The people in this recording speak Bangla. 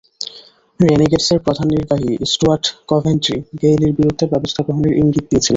রেনেগেডসের প্রধান নির্বাহী স্টুয়ার্ট কভেন্ট্রি গেইলের বিরুদ্ধে ব্যবস্থা গ্রহণের ইঙ্গিত দিয়েছিলেন।